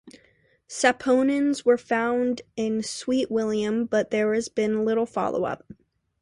Saponins were found in Sweet William, but there has been little follow-up.